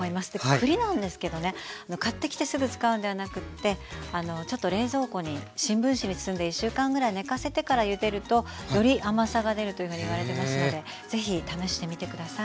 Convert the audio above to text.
栗なんですけどね買ってきてすぐ使うんではなくってちょっと冷蔵庫に新聞紙に包んで１週間ぐらい寝かせてからゆでるとより甘さが出るというふうにいわれてますので是非試してみて下さい。